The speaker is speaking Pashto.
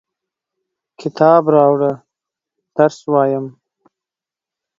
کتاب راوړه ، درس وایم!